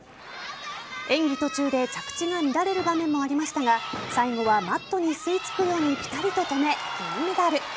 演技途中で着地が乱れる場面もありましたが最後はマットに吸いつくようにピタリと止め、銀メダル。